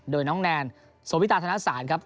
โดยน้องแนนโสวิตาธนสารครับ